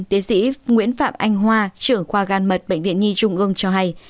tiến sĩ nguyễn phạm anh hoa trưởng khoa gan mật bệnh viện nhi trung ương cho hay